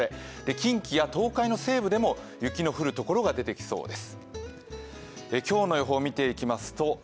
近畿や東海の西部でも雪の降るところが出てきそうです。